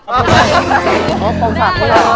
อ๊อฟตรงสัตว์